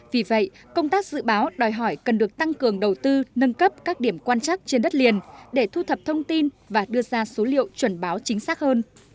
vì vậy công tác dự báo đòi hỏi cần được tăng cường đầu tư nâng cấp các điểm quan chắc trên đất liền để thu thập thông tin và đưa ra số liệu chuẩn báo chính xác hơn